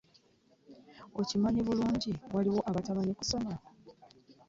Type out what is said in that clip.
Okimanyi bulungi waliwo abatamanyi kusoma.